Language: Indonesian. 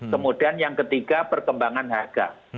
kemudian yang ketiga perkembangan harga